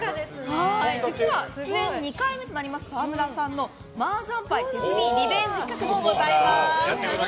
実は出演２回目となります沢村さんの麻雀牌手積みリベンジ企画もございます。